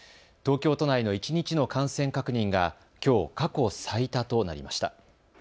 東京都内の一日の感染確認がきょう、過去最多となりました。